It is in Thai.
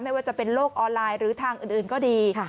ไม่ว่าจะเป็นโลกออนไลน์หรือทางอื่นก็ดี